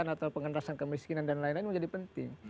atau pengendarasan kemiskinan dan lain lain menjadi penting